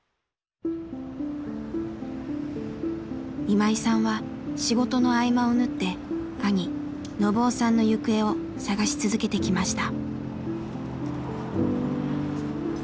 今井さんは仕事の合間を縫って兄信雄さんの行方を探し続けてきました。